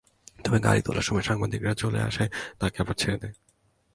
তবে গাড়িতে তোলার সময় সাংবাদিকরা চলে আসায় তাঁকে আবার ছেড়ে দেয়।